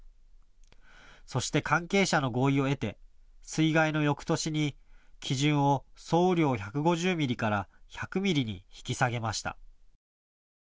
そして関係者の合意を得て水害のよくとしに基準を総雨量１５０ミリから１００ミリに引き下げました。